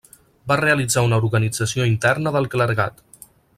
Va realitzar una organització interna del clergat.